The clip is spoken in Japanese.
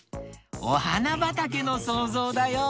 おはなばたけのそうぞうだよ。